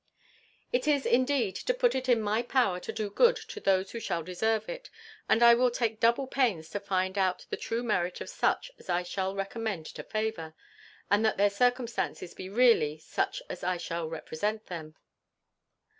It is kind, indeed, to put it in my power to do good to those who shall deserve it; and I will take double pains to find out the true merit of such as I shall recommend to favour, and that their circumstances be really such as I shall represent them.